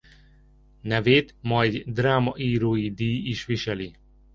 Nevét ma egy drámaírói díj is viseli.